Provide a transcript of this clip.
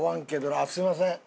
あっすみません。